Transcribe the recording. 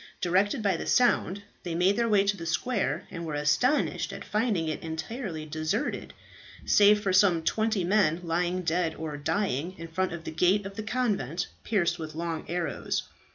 Directed by the sound, they made their way to the square, and were astonished at finding it entirely deserted, save for some twenty men, lying dead or dying in front of the gate of the convent, pierced with long arrows.